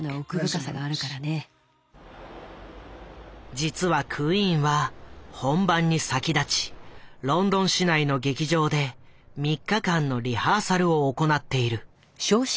実はクイーンは本番に先立ちロンドン市内の劇場で３日間のリハーサルを行っている。